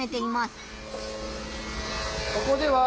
ここでは。